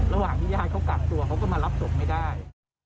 ระหว่างที่ญาติเขากักตัวเขาก็มารับศพไม่ได้